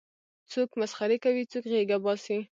څوک مسخرې کوي څوک غېږه باسي.